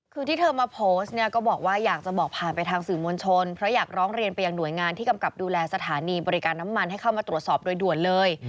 คือที่เธอมาโพสต์เนี่ยก็บอกว่าอยากจะบอกผ่านไปทางสื่อมวลชนเพราะอยากร้องเรียนไปยังหน่วยงานที่กำกับดูแลสถานีบริการน้ำมันให้เข้ามาตรวจสอบโดยด่วนเลย